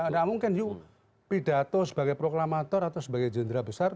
nggak mungkin yuk pidato sebagai proklamator atau sebagai jenderal besar